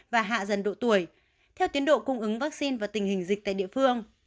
và hạ dần độ tuổi theo tiến độ cung ứng vaccine và tình hình dịch tại địa phương